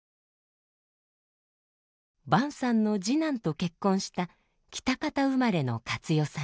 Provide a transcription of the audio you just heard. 潘さんの次男と結婚した喜多方生まれのカツヨさん。